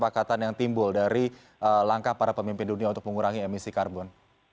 kepakatan yang timbul dari langkah para pemimpin dunia untuk mengurangi emisi karbon